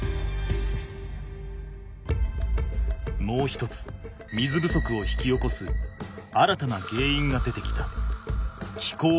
もう一つ水不足を引き起こす新たなげんいんが出てきた。